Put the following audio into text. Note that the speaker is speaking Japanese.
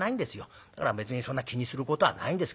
だから別にそんな気にすることはないんですけどね。